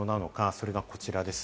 それがこちらです。